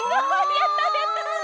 やったやった！